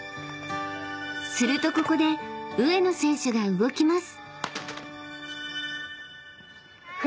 ［するとここで上野選手が動きます］